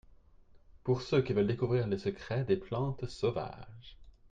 Pour ceux qui veulent découvrir les secrets des plantes sauvages.